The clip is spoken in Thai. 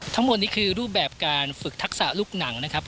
ทั้งหมดนี้คือรูปแบบการฝึกทักษะลูกหนังนะครับ